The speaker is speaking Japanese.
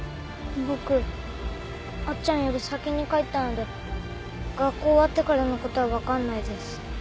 僕あっちゃんより先に帰ったので学校終わってからのことは分かんないです。